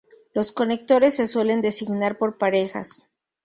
Los conectores se suelen designar por parejas.